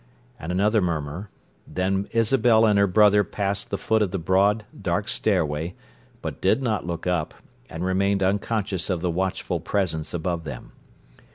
and another murmur; then Isabel and her brother passed the foot of the broad, dark stairway, but did not look up, and remained unconscious of the watchful presence above them.